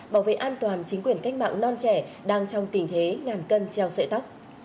bảo vệ an toàn chính quyền cách mạng non trẻ đang trong tình thế ngàn cân treo sợi tóc